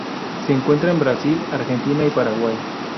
Se encuentra en Brasil, Argentina y Paraguay.